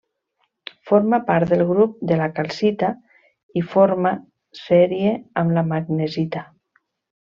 Forma part del grup de la calcita i forma sèrie amb la magnesita.